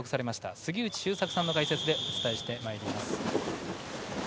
杉内周作さんの解説でお伝えします。